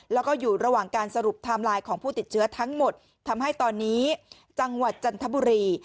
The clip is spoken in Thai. แล้วก็อยู่ระหว่างการสรุปไทม์ไลน์ของผู้ติดเชื้อทั้งหมดทำให้ตอนนี้จังหวัดจันทบุรี